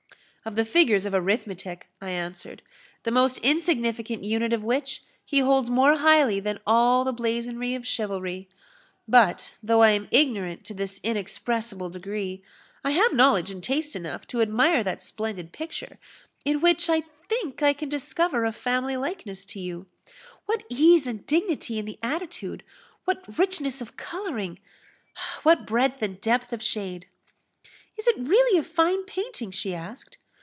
"Of the figures of arithmetic," I answered; "the most insignificant unit of which he holds more highly than all the blazonry of chivalry. But, though I am ignorant to this inexpressible degree, I have knowledge and taste enough to admire that splendid picture, in which I think I can discover a family likeness to you. What ease and dignity in the attitude! what richness of colouring what breadth and depth of shade!" "Is it really a fine painting?" she asked.